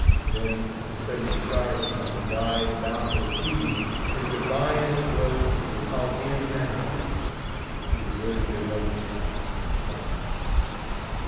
Then, to study the stars upon the wide, boundless sea, is divine as it was to the Chaldean Magi, who observed their revolutions from the plains.